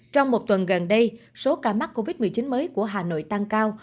trong một tuần gần đây số ca mắc covid một mươi chín mới của hà nội tăng cao